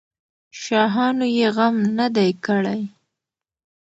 شاهانو یې غم نه دی کړی.